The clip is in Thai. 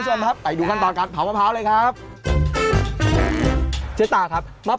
ทำไมถึงชื่อว่าเจ๊ตาสี่น้ำ